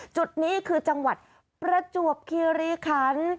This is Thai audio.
จุดนี้คือจังหวัดประจวบคีรีคัน